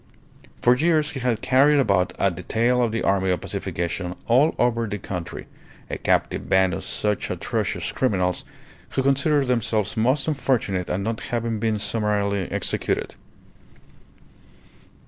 For years he had carried about at the tail of the Army of Pacification, all over the country, a captive band of such atrocious criminals, who considered themselves most unfortunate at not having been summarily executed.